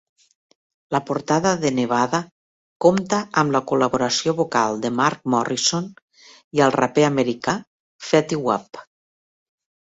La portada de Nevada compta amb la col·laboració vocal de Mark Morrison i el raper americà Fetty Wap.